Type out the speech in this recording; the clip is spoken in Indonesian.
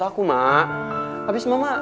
bapak mau operasi lagi ma